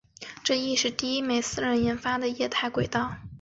这亦是第一枚私人研发的液态轨道火箭成功进入地球轨道。